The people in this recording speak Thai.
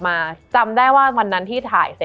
มันทำให้ชีวิตผู้มันไปไม่รอด